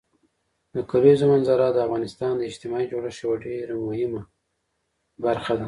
د کلیزو منظره د افغانستان د اجتماعي جوړښت یوه ډېره مهمه برخه ده.